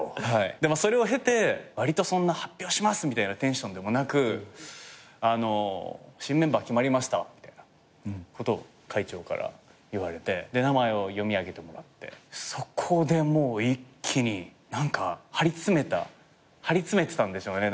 それを経て発表しますみたいなテンションでもなく新メンバー決まりましたみたいなこと会長から言われて名前を読み上げてもらってそこでもう一気に何か張り詰めてたんでしょうね。